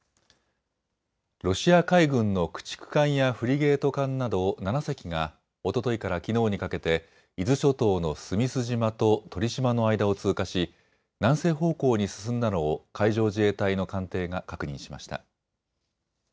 ロシア海軍の駆逐艦やフリゲート艦など７隻がおとといからきのうにかけて伊豆諸島の須美寿島と鳥島の間を通過し南西方向に進んだのを海上自衛隊の艦艇が確認しました。